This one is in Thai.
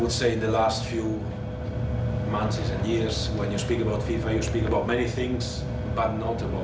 โอเคเจอกันสิ่งที่สุดลูกหน้าตรงของเรา